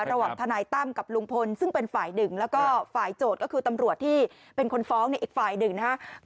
ทนายตั้มกับลุงพลซึ่งเป็นฝ่ายหนึ่งแล้วก็ฝ่ายโจทย์ก็คือตำรวจที่เป็นคนฟ้องในอีกฝ่ายหนึ่งนะครับ